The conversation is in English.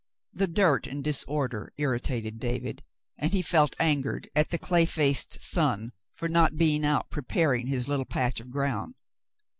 The dirt and disorder irritated David, and he felt 124 The Mountain Girl angered at the clay faced son for not being out preparing his little patch of ground.